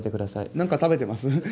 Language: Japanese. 何か食べてます？